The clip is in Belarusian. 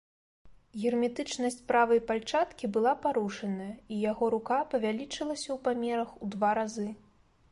Герметычнасць правай пальчаткі была парушаная, і яго рука павялічылася ў памерах у два разы.